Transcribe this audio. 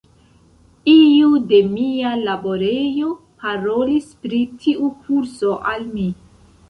Iu de mia laborejo parolis pri tiu kurso al mi.